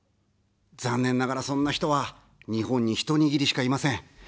残念ながら、そんな人は、日本にひと握りしかいません。